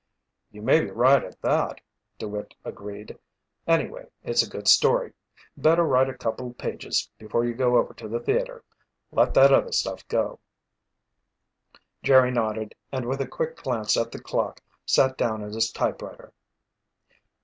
"You may be right at that," DeWitt agreed. "Anyway, it's a good story. Better write a couple pages before you go over to the theater let that other stuff go." Jerry nodded and with a quick glance at the clock, sat down at his typewriter.